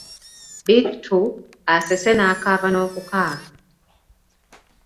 Bittu asese n'akaaba n'okukaaba.